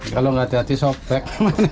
kalau nggak hati hati sobek